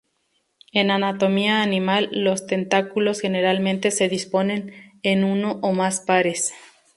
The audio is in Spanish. En anatomía animal, los tentáculos generalmente se disponen en uno o más pares.